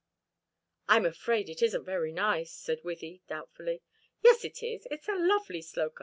"I'm afraid it isn't very nice," said Wythie, doubtfully. "Yes, it is; it's a lovely 'sloka.'